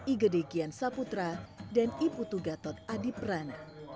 igede gyan saputra dan iputu gatot adipran